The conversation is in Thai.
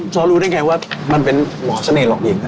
ซ้อรู้ได้ไงว่ามันเป็นหล่อชะเน่หลอกเยง